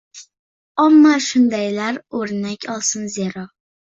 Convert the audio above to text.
Omma shundaylardan o‘rnak olsin zero.